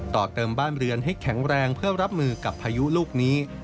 ต่อเติมบ้านเรือนให้แข็งแรงเพื่อรับมือกับพายุลูกนี้